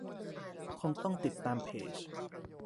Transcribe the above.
คงต้องติดตามเพจ